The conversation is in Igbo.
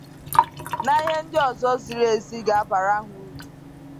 na ihe ndị ọzọ ziri ezi ga-abara ha urù